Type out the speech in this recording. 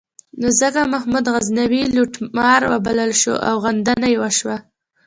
نو ځکه محمود غزنوي لوټمار وبلل شو او غندنه یې وشوه.